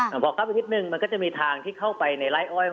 ผมบอกครับอีกนิดนึงมันก็จะมีทางที่เข้าไปในไร้อ้อย